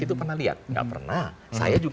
itu pernah dilihat tidak pernah saya juga